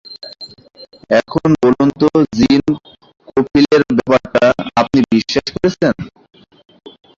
এখন বলুন তো জিন কফিলের ব্যাপারটা আপনি বিশ্বাস করছেন?